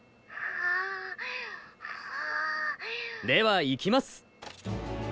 ではいきます！